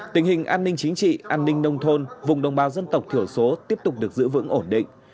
tình hình an ninh chính trị an ninh nông thôn vùng đồng bào dân tộc thiểu số tiếp tục được giữ vững ổn định